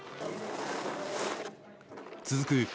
続く